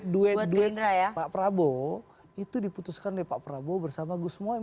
duet duet pak prabowo itu diputuskan oleh pak prabowo bersama gus muhaymin